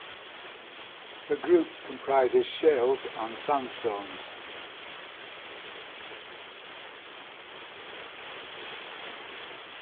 The group comprises shales and sandstones.